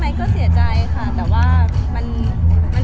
แม็กซ์ก็คือหนักที่สุดในชีวิตเลยจริง